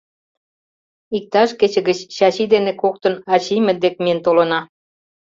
— Иктаж кече гыч Чачи дене коктын ачиймыт дек миен толына.